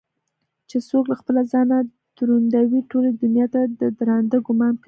چې څوك له خپله ځانه دروندوي ټولې دنياته ددراندۀ ګومان كوينه